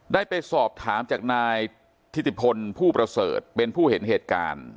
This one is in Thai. ได้ไปสอบถามจากนายทิติพลผู้ประเสริฐเป็นผู้เห็นเหตุการณ์